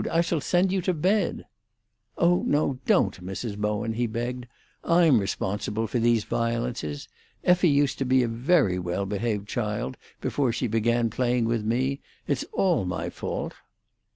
I shall send you to bed." "Oh no, don't, Mrs. Bowen," he begged. "I'm responsible for these violences. Effie used to be a very well behaved child before she began playing with me. It's all my fault."